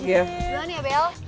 jalan ya bel